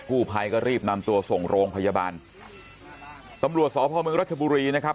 ผู้ภัยก็รีบนำตัวส่งโรงพยาบาลตำรวจสพมรัชบุรีนะครับ